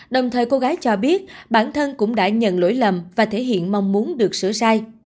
đồng thời cô gái cho biết bản thân cũng đã nhận lỗi lầm và thể hiện mong muốn được sửa sai